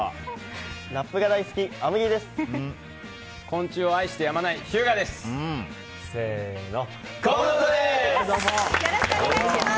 ラップが大好きあむぎりです。